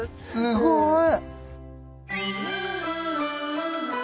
すごい！